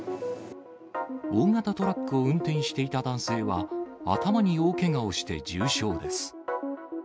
大型トラックを運転していた男性は、頭に大けがをして重傷です。